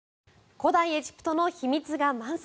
古代エジプトの秘密が満載！